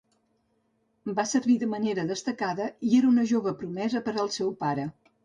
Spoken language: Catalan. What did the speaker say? Va servir de manera destacada i era una jove promesa per al seu pare.